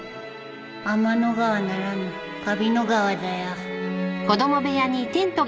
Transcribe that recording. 天の川ならぬかびの川だよ。